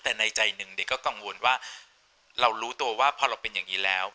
แต่ในใจหนึ่งเด็กก็กังวลว่าเรารู้ตัวว่าพอเราเป็นอย่างนี้แล้ว